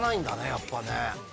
やっぱりね。